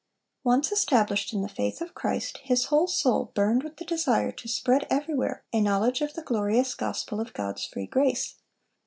Once established in the faith of Christ, his whole soul burned with the desire to spread everywhere a knowledge of the glorious gospel of God's free grace.